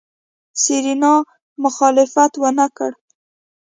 سېرېنا مخالفت ونکړ.